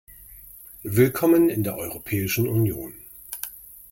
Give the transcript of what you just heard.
Willkommen in der Europäischen Union!